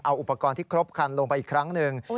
เอาอุปกรณ์ที่ครบคันลงไปอีกครั้งหนึ่ง